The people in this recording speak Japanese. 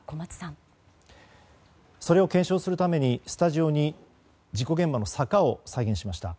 それを検証するためにスタジオに事故現場の坂を再現しました。